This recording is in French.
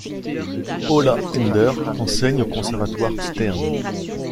Hollaender enseigne au Conservatoire Stern.